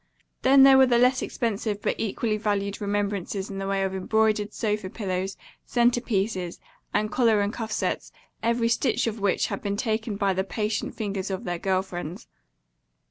Then there were the less expensive but equally valued remembrances in the way of embroidered sofa pillows, center pieces, and collar and cuff sets, every stitch of which had been taken by the patient fingers of their girl friends.